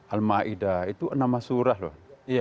al maida itu nama surah loh